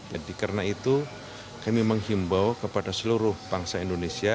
jadi karena itu kami menghimbau kepada seluruh bangsa indonesia